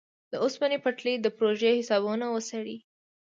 د اوسپنې پټلۍ د پروژو حسابونه وڅېړي.